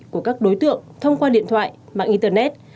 của các đối tượng thông qua điện thoại mạng internet